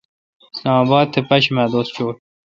اسلام اباد تھ پاشیمہ دوس چوں ۔